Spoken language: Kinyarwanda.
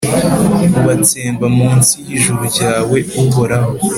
ubatsembe mu nsi y’ijuru ryawe, Uhoraho.